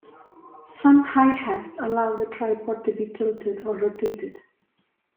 Some hi-hats allow the tripod to be tilted or rotated.